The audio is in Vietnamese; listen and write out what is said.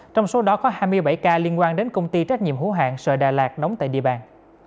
trong số đó có hai mươi bảy ca liên quan đến công ty trách nhiệm hữu hạng sợ đà lạt đóng tại địa bàn